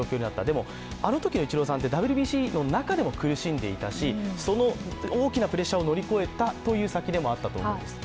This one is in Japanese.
でもあのときのイチローさんってＷＢＣの中でも苦しんでいたしその大きなプレッシャーを乗り越えたという先でもあったと思うんです。